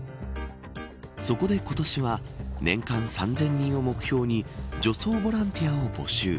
そこで今年は年間３０００人を目標に除草ボランティアを募集。